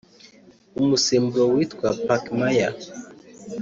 umusemburo witwa Pakmaya